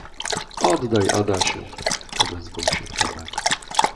"„Oddaj, Adasiu!“ odezwał się Tomek."